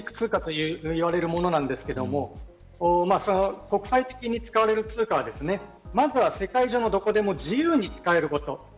これは基軸通貨といわれるものですが国際的に使われる通貨はまずは世界中のどこでも自由に使えること。